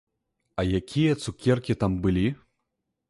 А якія цукеркі там былі?